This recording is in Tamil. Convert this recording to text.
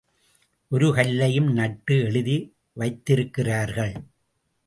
ஒரு கல்லையும் நட்டு எழுதி வைதிருக்கிறார்கள்.